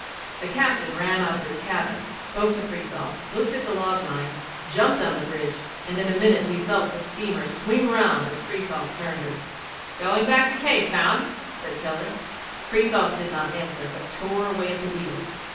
The captain ran out of his cabin, spoke to Frithiof, looked at the log line, jumped on the bridge, and in a minute we felt the steamer swing round as Frithiof turned her. ''Going back to Cape Town?' said Keller. Frithiof did not answer, but tore away at the wheel.